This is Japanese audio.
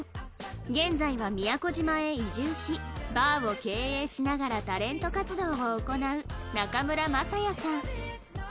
現在は宮古島へ移住しバーを経営しながらタレント活動を行う中村昌也さん